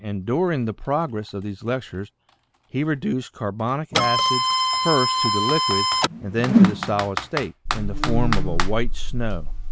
and during the progress of these lectures he reduced carbonic acid first to the liquid, and then to the solid state, in the form of a white snow.